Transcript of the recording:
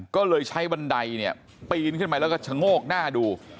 ก็เลยใช้บันไดเนี่ยปีนขึ้นไปแล้วก็ชะโงกหน้าดู